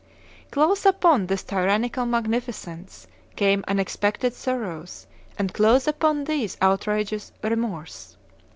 "Close upon this tyrannical magnificence came unexpected sorrows, and close upon these outrages remorse.